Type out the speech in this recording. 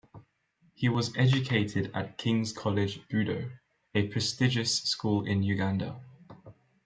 He was educated at King's College Budo, a prestigious school in Uganda.